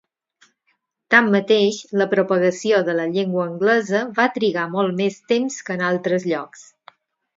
Tanmateix, la propagació de la llengua anglesa va trigar molt més temps que en altres llocs.